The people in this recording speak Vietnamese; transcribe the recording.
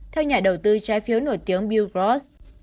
theo nhà đầu tư trái phiếu nổi tiếng bill gross